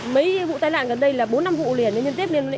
mấy vụ tai nạn gần đây là bốn năm vụ liền nhân tiết liền luôn đấy